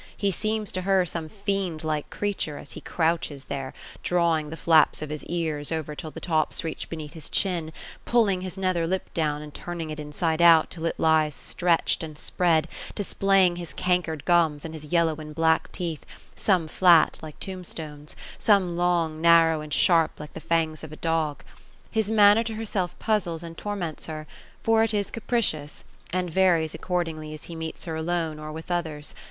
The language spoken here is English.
He seems to her some fiend like creature as he crouches there, drawing the flaps of his ears over till the tops reach beneath his chin ; pulling his nether lip down, and turning it inside out, till it lies stretched, and spread, displaying his cankered gums, and his yellow and black teeth, — some flat, like tomb stones, — some long, narrow, and sharp, like the fangs of a dog. His manner to herself puzzles and torments her ; for it is capricious, and varies accordingly as he meets her alone, or with others.